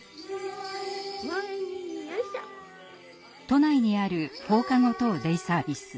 都内にある放課後等デイサービス。